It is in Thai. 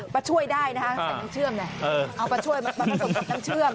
ป้าช่วยได้นะฮะสั่งน้ำเชื่อมเนี่ยเอาป้าช่วยมาผสมกับน้ำเชื่อม